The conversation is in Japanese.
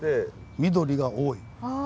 緑が多い。